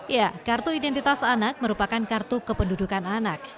ya kartu identitas anak merupakan kartu kependudukan anak